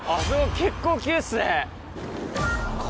結構急っすね！